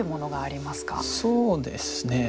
そうですね。